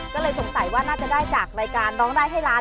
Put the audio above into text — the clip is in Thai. ก็เลยสงสัยว่าน่าจะได้จากรายการร้องได้ให้ล้าน